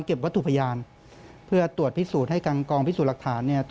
พนักงานสอบสวนกำลังพิจารณาเรื่องนี้นะครับถ้าเข้าองค์ประกอบก็ต้องแจ้งข้อหาในส่วนนี้ด้วยนะครับ